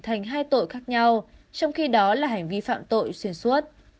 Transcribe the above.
thành hai tội khác nhau trong khi đó là hành vi phạm tội xuyên suốt